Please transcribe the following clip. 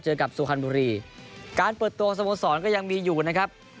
เจอกับสุพรรณบุรีการเปิดตัวสโมสรก็ยังมีอยู่นะครับ